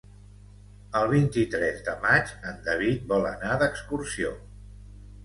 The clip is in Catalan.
El vint-i-tres de maig en David vol anar d'excursió.